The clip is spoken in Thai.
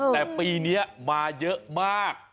แต่ปีนี้มาเยอะมาก